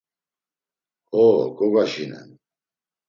Ho, gogaşinen!